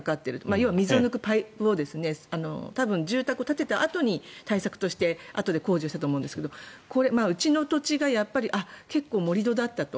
要は水を抜くパイプを多分、住宅を建てたあとに対策としてあとで工事したと思いますがうちの土地がやっぱり結構、盛り土だったと。